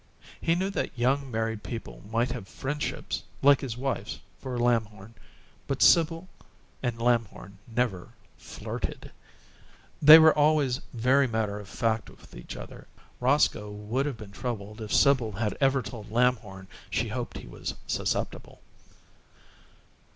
He knew that young married people might have friendships, like his wife's for Lamhorn; but Sibyl and Lamhorn never "flirted" they were always very matter of fact with each other. Roscoe would have been troubled if Sibyl had ever told Lamhorn she hoped he was susceptible.